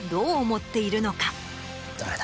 誰だ？